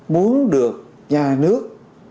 muốn được nhà nước